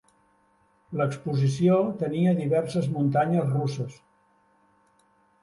L'exposició tenia diverses muntanyes russes.